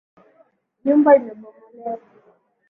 Nyumba imebomolewa.